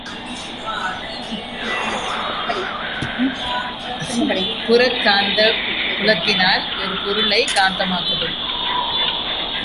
புறக் காந்தப் புலத்தினால் ஒரு பொருளைக் காந்த மாக்குதல்.